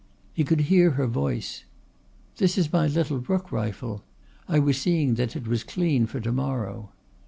He could hear her voice: "This is my little rook rifle. I was seeing that it was clean for to morrow."